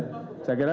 khususnya untuk jdr fs